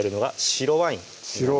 白ワイン